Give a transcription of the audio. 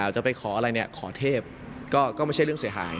จะไปขออะไรเนี่ยขอเทพก็ไม่ใช่เรื่องเสียหาย